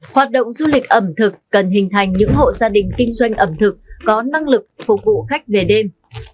hoạt động du lịch ẩm thực cần hình thành những hộ gia đình kinh doanh ẩm thực có năng lực phục vụ khách về đêm